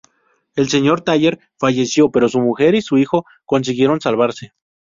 El señor Thayer falleció, pero su mujer y su hijo consiguieron salvarse.